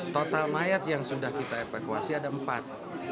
total mayat yang sudah kita evakuasi ada empat